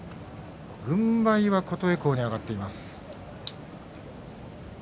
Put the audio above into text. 軍配は琴恵光に上がっています。